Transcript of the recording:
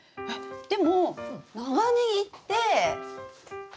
でも長ネギって。